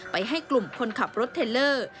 ให้กลุ่มคนขับรถเทลเลอร์